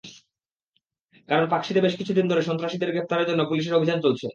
কারণ পাকশীতে বেশ কিছু দিন ধরে সন্ত্রাসীদের গ্রেপ্তারের জন্য পুলিশের অভিযান চলছে।